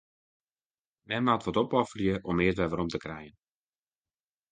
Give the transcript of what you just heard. Men moat eat opofferje om eat werom te krijen.